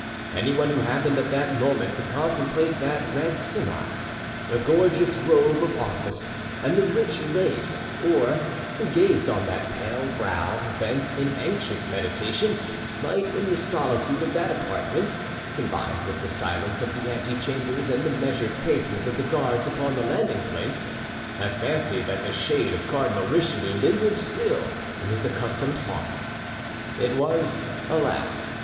Any one who happened at that moment to contemplate that red simar—the gorgeous robe of office—and the rich lace, or who gazed on that pale brow, bent in anxious meditation, might, in the solitude of that apartment, combined with the silence of the ante chambers and the measured paces of the guards upon the landing place, have fancied that the shade of Cardinal Richelieu lingered still in his accustomed haunt. It was, alas!